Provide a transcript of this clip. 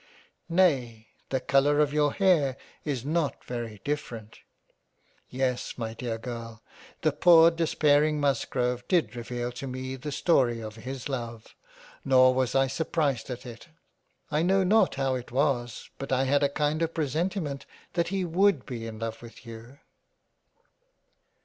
Nay, the colour of your Hair is not very different. Yes my dear Girl, the poor despairing Musgrove did reveal to me the story of his Love —. Nor was I surprised at it — I know not how it was, but I had a kind of presentiment that he would be in love with you."